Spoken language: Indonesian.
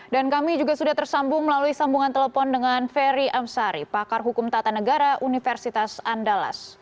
dan kami juga sudah tersambung melalui sambungan telepon dengan ferry amsari pakar hukum tata negara universitas andalas